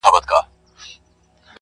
• ورته سپک په نظر ټوله موږکان دي,